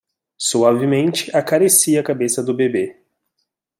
Suavemente acaricie a cabeça do bebê